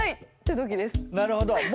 なるほど。